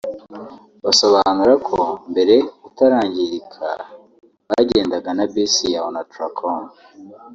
Basobanura ko mbere utari wangirika bagendaga na Bus ya Onatracom